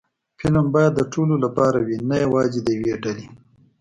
فلم باید د ټولو لپاره وي، نه یوازې د یوې ډلې